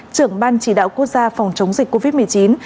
trưởng ban chỉ đạo quốc gia phòng chống dịch covid một mươi chín